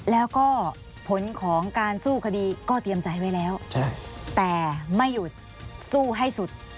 แล้วก็ผลของการสู้คดีก็เตรียมใจไว้แล้วแต่ไม่หยุดสู้ให้สุด